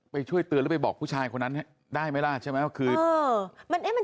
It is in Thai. ไปช่วยเตือนแล้วไปบอกผู้ชายคนนั้นได้มั้ยล่ะใช่ไหมอ่อมันเอ๊ะมันจริง